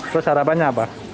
terus harapannya apa